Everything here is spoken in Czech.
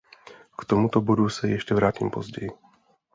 K tomuto bodu se ještě vrátím později.